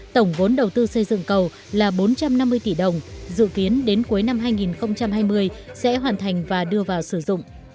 tổng vốn đầu tư xây dựng cầu là bốn trăm năm mươi tỷ đồng dự kiến đến cuối năm hai nghìn hai mươi sẽ hoàn thành và đưa vào sử dụng